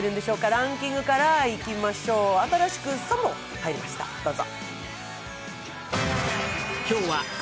ランキングからいきましょう新しく３本入りました、どうぞ。